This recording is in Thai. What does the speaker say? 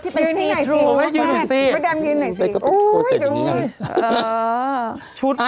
ที่หน่อยทรู